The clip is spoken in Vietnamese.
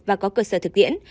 và có cơ sở thực hiện